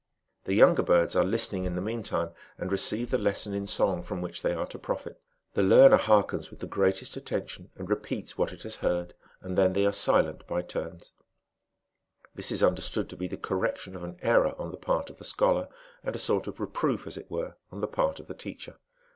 The younger birds are listening in the meantime, and receive the lesson in song from which they are to profit. The learner hearkens with the greatest attention, and repeats what it has heard, and then they are silent by turns ; this is understood to be the correction of an error on the part of the scholar, and a sort of reproof, as it were, on the part of the teacher.